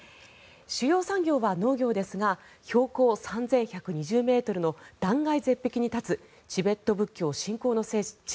主要産業は農業ですが標高３１２０ｍの断崖絶壁に立つチベット仏教の聖地